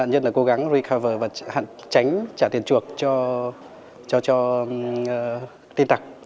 đạn nhân là cố gắng recover và tránh trả tiền chuộc cho tin tặc